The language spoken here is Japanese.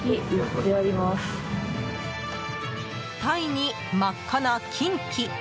タイに、真っ赤なキンキ！